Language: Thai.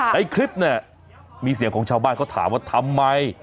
ในคลิปเนี่ยมีเสียงของชาวบ้านเขาถามว่าทำไม